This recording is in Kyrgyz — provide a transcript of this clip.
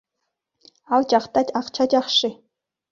Ал жакта акча жакшы.